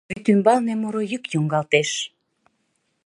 Вӱд ӱмбалне муро йӱк йоҥгалтеш.